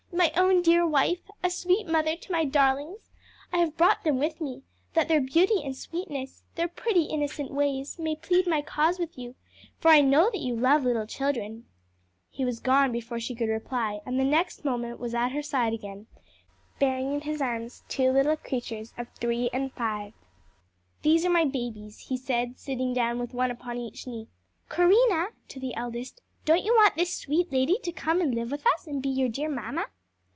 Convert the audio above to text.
my own dear wife? a sweet mother to my darlings. I have brought them with me, that their beauty and sweetness, their pretty innocent ways, may plead my cause with you, for I know that you love little children." He was gone before she could reply, and the next moment was at her side again, bearing in his arms two lovely little creatures of three and five. "These are my babies," he said, sitting down with one upon each knee. "Corinna," to the eldest, "don't you want this sweet lady to come and live with us and be your dear mamma?"